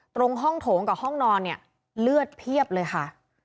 ตรงห้องโถงกับห้องนอนเนี่ยเลือดเพียบเลยค่ะ